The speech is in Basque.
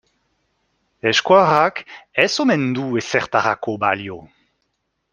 Euskarak ez omen du ezertarako balio.